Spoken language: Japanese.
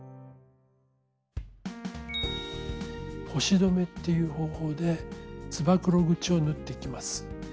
「星止め」っていう方法でつばくろ口を縫っていきます。